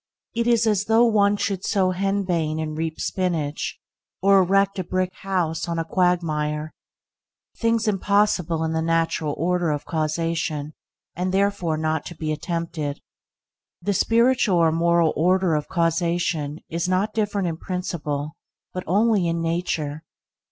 It is as though one should sow henbane and reap spinach, or erect a brick house on a quagmire things impossible in the natural order of causation, and therefore not to be attempted. The spiritual or moral order of causation is not different in principle, but only in nature.